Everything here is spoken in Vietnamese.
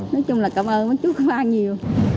nói chung là cảm ơn mấy chú quang nhiều